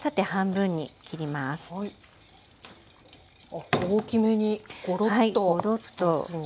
あっ大きめにゴロッと２つに。